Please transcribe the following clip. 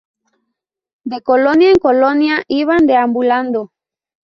De colonia en colonia iban deambulando.